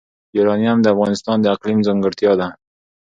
یورانیم د افغانستان د اقلیم ځانګړتیا ده.